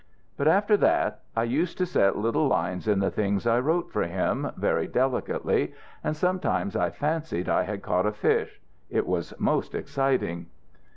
But after that I used to set little lines in the things I wrote for him, very delicately, and sometimes I fancied I had caught a fish. It was most exciting."